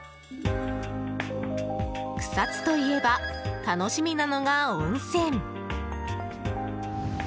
草津といえば楽しみなのが温泉。